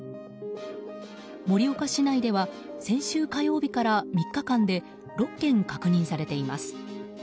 盛岡市内では先週火曜日から３日間で６件確認されています。